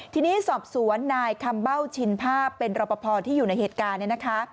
ทีนี้สอบสวนนายคำเบ้าชินภาพเป็นรบภพรที่อยู่ในเหตุการณ์